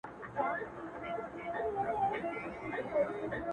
o مُلا سړی سو په خپل وعظ کي نجلۍ ته ويل ـ